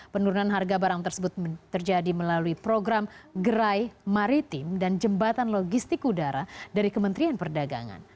penurunan harga barang tersebut terjadi melalui program gerai maritim dan jembatan logistik udara dari kementerian perdagangan